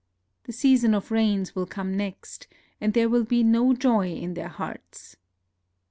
The season of rains will come next, and there will be no joy in their hearts.